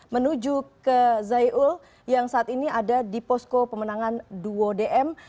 menuju ke zaiul yang saat ini ada di posko pemenangan duo dm